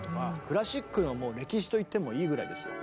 クラシックのもう歴史と言ってもいいぐらいですよ。